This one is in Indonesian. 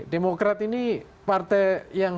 demokrat ini partai yang